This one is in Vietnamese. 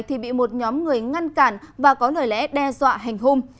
thì bị một nhóm người ngăn cản và có lời lẽ đe dọa hành hung